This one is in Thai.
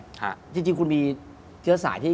ที่ผ่านมาที่มันถูกบอกว่าเป็นกีฬาพื้นบ้านเนี่ย